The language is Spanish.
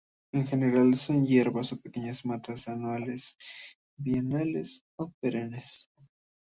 En general son hierbas o pequeñas matas, anuales, bienales o perennes.